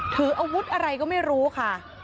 ถืออาวุธอะไรก็ไม่รู้ค่ะ